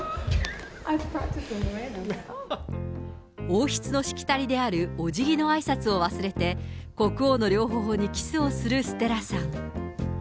王室のしきたりであるおじぎのあいさつを忘れて、国王の両ほほにキスをするステラさん。